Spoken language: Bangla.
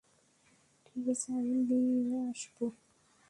ঠিক আছে, আমি দিয়ে আসবো।